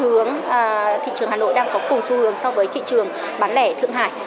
hướng thị trường hà nội đang có cùng xu hướng so với thị trường bán lẻ thượng hải